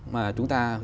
mà chúng ta